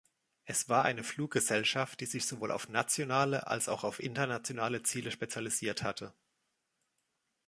Es war eine Fluggesellschaft, die sich sowohl auf nationale als auch auf internationale Ziele spezialisiert hatte.